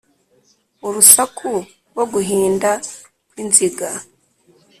urusaku rwo guhinda kw’inziga